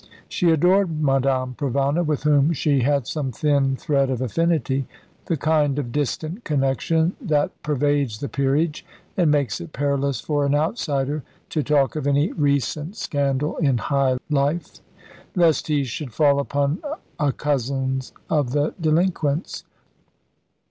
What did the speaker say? She adored Madame Provana, with whom she had some thin thread of affinity, the kind of distant connection that pervades the peerage, and makes it perilous for an outsider to talk of any recent scandal in high life, lest he should fall upon a cousin of the delinquent's.